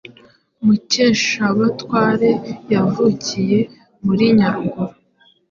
Mukeshabatware yavukiye muri Nyaruguru